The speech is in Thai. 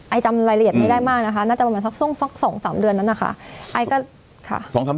ไอ้จำรายละเอียดไม่ได้มากนะคะน่าจะประมาณสัก๒๓เดือนนั้นค่ะ